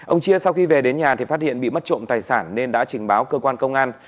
ông chia sau khi về đến nhà thì phát hiện bị mất trộm tài sản nên đã trình báo cơ quan công an